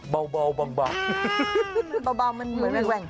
เบามันเหมือนแว่ง